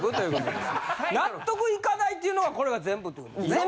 納得いかないっていうのはこれが全部ってことですよね？